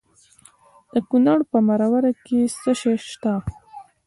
د کونړ په مروره کې څه شی شته؟